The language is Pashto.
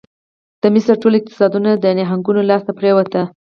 د مصر ټول اقتصاد د نهنګانو لاس ته پرېوت.